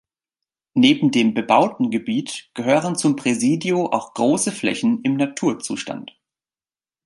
Neben dem bebauten Gebiet gehören zum Presidio auch große Flächen im Naturzustand.